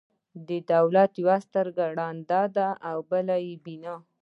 د دولت یوه سترګه ړنده ده، بله بینا.